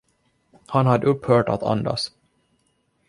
Han hade upphört att andas.